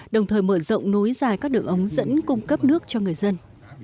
đồng thời mở rộng nối dài các đường ống dẫn cung cấp nước cho người dân